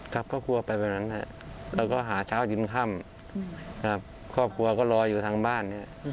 กลับก็กลัวไปไหนแหละเราหาเช้ายืนข้ำครอบครัวก็รออยู่ทางบ้าน